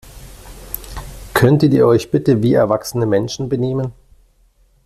Könntet ihr euch bitte wie erwachsene Menschen benehmen?